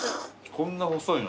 こんな細いのに。